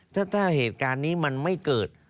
ถ้าเหตุการณ์นี้มันไม่เกิด